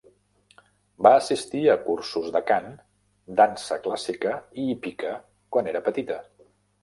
Va assistir a cursos de cant, dansa clàssica i hípica quan era petita.